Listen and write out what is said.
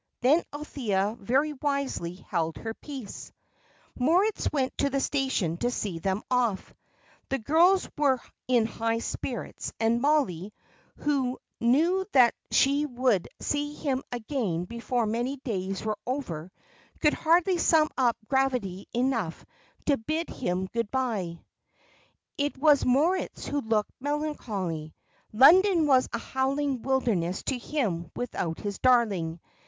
Then Althea very wisely held her peace. Moritz went to the station to see them off. The girls were in high spirits, and Mollie, who knew that she would see him again before many days were over, could hardly summon up gravity enough to bid him good bye. It was Moritz who looked melancholy; London was a howling wilderness to him without his darling.